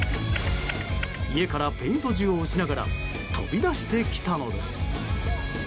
家からペイント銃を撃ちながら飛び出してきたのです。